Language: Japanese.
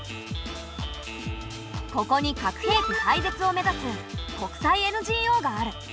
ここに核兵器廃絶を目指す国際ＮＧＯがある。